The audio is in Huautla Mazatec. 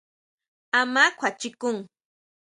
¿Áʼma kjuachikun?